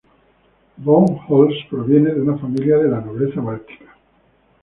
Von Holst proviene de una familia de la nobleza báltica.